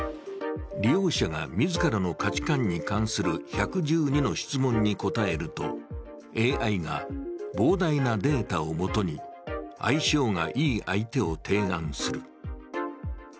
利用者が、自らの価値観に関する１１２の質問に答えるとＡＩが膨大なデータを基に、相性がいい相手を提案する。